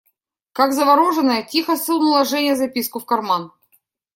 Как завороженная, тихо сунула Женя записку в карман.